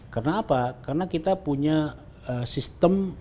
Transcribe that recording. karena apa karena kita punya sistem